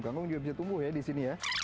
ganggu juga bisa tumbuh ya di sini ya